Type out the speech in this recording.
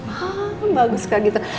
oh bagus kalau gitu